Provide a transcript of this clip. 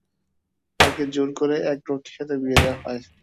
তাকে জোর করে এক রক্ষীর সাথে বিয়ে দেয়া হয়।